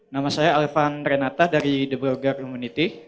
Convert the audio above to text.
nama saya alvan renata dari the broker community